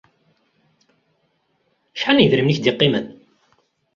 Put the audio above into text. Acḥal n yedrimen i ak-d-yeqqimen?